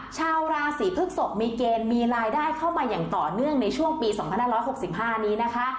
ชาวราศีพฤกษกมีเกณฑ์มีรายได้เข้ามาอย่างต่อเนื่องในช่วงปี๒๕๖๕นี้นะคะ